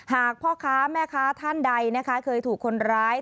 หากพ่อค้าแม่ค้าท่านใดนะคะเคยถูกคนร้าย